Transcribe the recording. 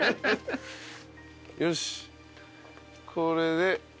よしこれで。